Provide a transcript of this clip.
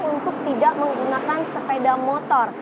untuk tidak menggunakan sepeda motor